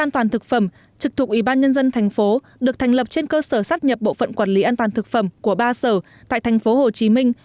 an toàn thực phẩm trực thuộc ủy ban nhân dân thành phố được thành lập trên cơ sở sắp nhập bộ phận quản lý an toàn thực phẩm của ba sở tại thành phố hồ chí minh